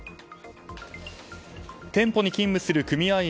店舗に勤務する組合員